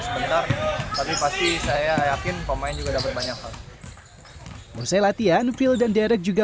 sebentar tapi pasti saya yakin pemain juga dapat banyak hal menurut saya latihan phil dan derek juga